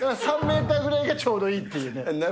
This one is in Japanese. ３メートルぐらいがちょうどいいっていうね。